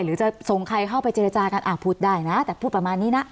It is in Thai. หรือจะส่งใครเข้าไปเจรจากันพูดได้นะแต่พูดประมาณนี้นะ